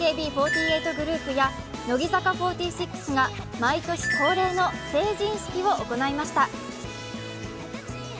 ＡＫＢ４８グループや乃木坂４６が毎年恒例の成人式を行いました。